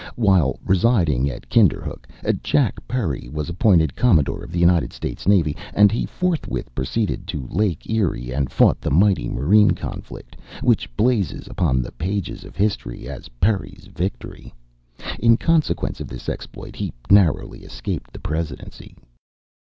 While residing at Kinderhook, Jack Perry was appointed Commodore of the United States Navy, and he forthwith proceeded to Lake Erie and fought the mighty marine conflict, which blazes upon the pages of history as "Perry's Victory." In consequence of this exploit, he narrowly escaped the Presidency.